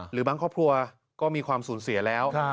หรือบางครอบครัวก็มีความสูญเสียแล้ว